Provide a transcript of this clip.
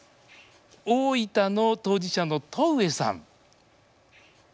大分の当事者の戸上さん。